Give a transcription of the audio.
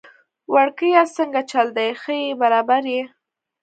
وړکیه څنګه چل دی، ښه يي برابر يي؟